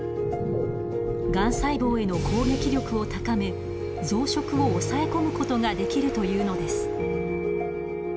がん細胞への攻撃力を高め増殖を抑え込むことができるというのです。